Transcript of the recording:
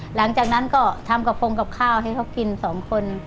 หลังจากนั้นก็ทำกระโปรงกับข้าวให้เขากิน๒คน